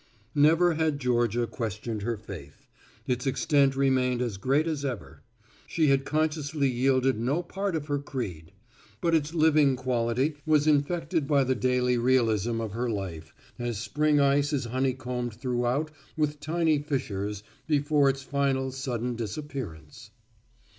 Never had Georgia questioned her faith. Its extent remained as great as ever. She had consciously yielded no part of her creed. But its living quality was infected by the daily realism of her life, as spring ice is honeycombed throughout with tiny fissures before its final sudden disappearance.